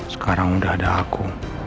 sekarang udah ada aku